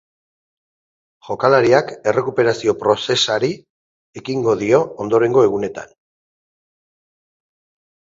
Jokalariak errekuperazio prozesari ekingo dio ondorengo egunetan.